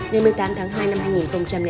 ngày một mươi tám tháng hai năm hai nghìn hai